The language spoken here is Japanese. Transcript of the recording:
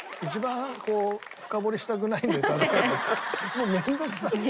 もう面倒くさい。